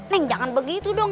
neng jangan begitu dong